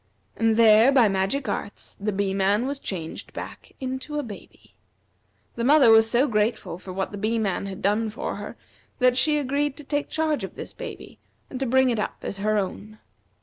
And there by magic arts the Bee man was changed back into a baby. The mother was so grateful for what the Bee man had done for her that she agreed to take charge of this baby, and to bring it up as her own.